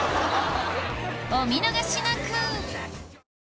お見逃しなく！